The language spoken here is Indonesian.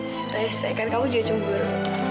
saya sayangkan kamu juga cemburu